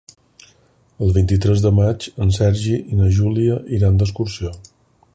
El vint-i-tres de maig en Sergi i na Júlia iran d'excursió.